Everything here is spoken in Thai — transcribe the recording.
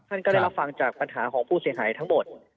ท่านก็ได้รับฟังจากปัญหาของผู้เสียหายทั้งหมด